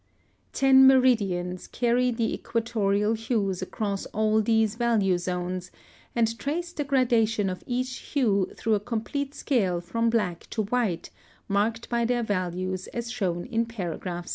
(120) Ten meridians carry the equatorial hues across all these value zones and trace the gradation of each hue through a complete scale from black to white, marked by their values, as shown in paragraph 68.